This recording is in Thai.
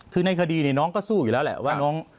คือในคดีเนี่ยน้องก็สู้อยู่แล้วแหละว่าน้อง